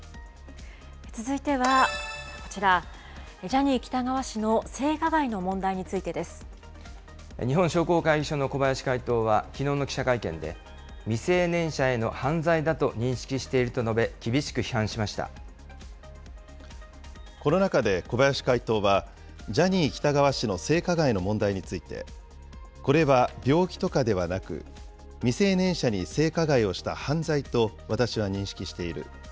続いてはこちら、ジャニー喜多川氏の性加害の問題についてで日本商工会議所の小林会頭はきのうの記者会見で、未成年者への犯罪だと認識していると述べ、この中で小林会頭は、ジャニー喜多川氏の性加害の問題について、これは病気とかではなく、未成年者に性加害をした犯罪と私は認識している。